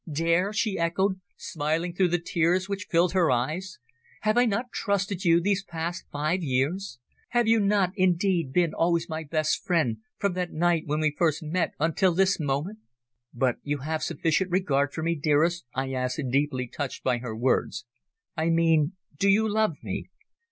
"Dare!" she echoed, smiling through the tears which filled her eyes. "Have I not trusted you these past five years? Have you not indeed been always my best friend, from that night when we first met until this moment?" "But have you sufficient regard for me, dearest?" I asked, deeply touched by her words. "I mean, do you love me?"